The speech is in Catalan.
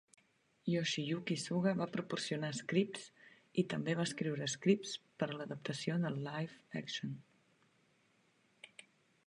Yoshiyuki Suga va proporcionar scripts, i també va escriure scripts per a l'adaptació del live-action.